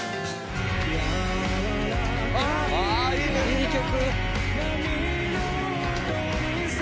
いい曲。